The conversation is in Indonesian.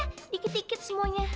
kamu kan aja dikit dikit semuanya